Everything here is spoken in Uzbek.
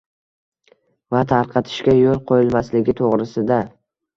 va tarqatishga yo‘l qo‘yilmasligi to‘g‘risida